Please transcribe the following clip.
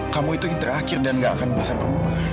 kamu itu yang terakhir dan gak akan bisa berubah